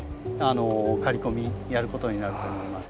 刈り込みやることになると思います。